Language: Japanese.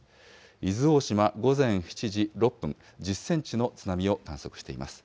伊豆大島、午前７時６分、１０センチの津波を観測しています。